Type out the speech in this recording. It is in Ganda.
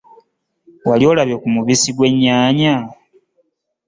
Wali olabye ku mubisi gwe nnyaanya?